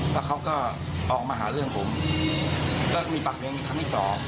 แล้วเขาก็ออกมาหาเรื่องผมแล้วมีปากเมืองมีคำที่สอง